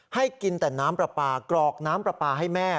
ให้กินแต่น้ำปลาปลากรอกน้ำปลาปลาให้แม่